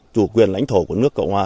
chủ quyền lãnh thổ của nước cộng hòa